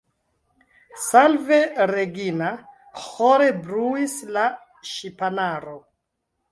« Salve Regina » ĥore bruis la ŝipanaro.